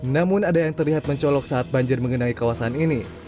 namun ada yang terlihat mencolok saat banjir mengenai kawasan ini